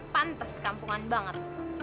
pantes kampungan banget